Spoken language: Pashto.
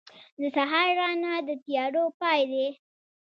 • د سهار رڼا د تیارو پای دی.